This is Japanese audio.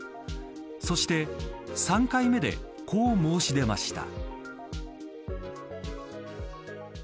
そして、３回目でこう申し出ました。